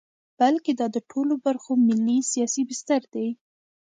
بلکې دا د ټولو برخو ملي سیاسي بستر دی.